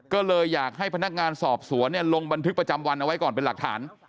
ก็เลยอยากให้พนักงานสอบสวนลงบันทึกประจำวันเอาไว้ก่อนเป็นหลักฐาน